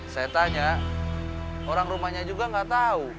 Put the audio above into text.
saya tanya orang rumahnya juga nggak tahu